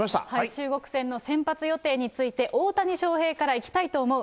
中国戦の先発予定について、大谷翔平からいきたいと思う。